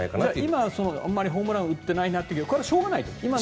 今あまりホームランを打っていないのはこれはしょうがないと。